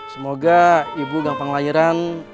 semoga ibu gampang lahiran